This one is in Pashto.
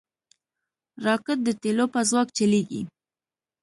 راکټ د تیلو په ځواک چلیږي